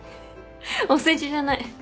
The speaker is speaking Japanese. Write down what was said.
お世辞じゃない。